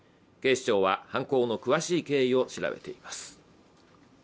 警視庁は、犯行の詳しい経緯を調べています。